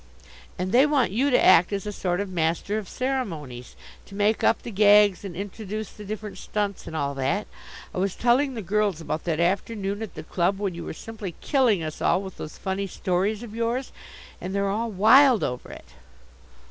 "And they want you to act as a sort of master of ceremonies, to make up the gags and introduce the different stunts and all that. I was telling the girls about that afternoon at the club, when you were simply killing us all with those funny stories of yours, and they're all wild over it."